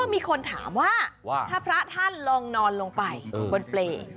มีคนถามว่าถ้าพระท่านลองนอนลงไปบนเปรย์